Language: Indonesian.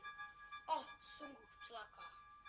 oh sungguh celaka